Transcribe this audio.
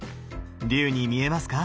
龍に見えますか？